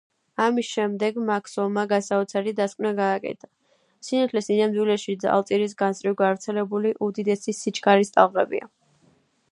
ამის შემდეგ მაქსველმა გასაოცარი დასკვნა გააკეთა: სინათლე, სინამდვილეში ძალწირის გასწვრივ გავრცელებული უდიდესი სიჩქარის ტალღებია.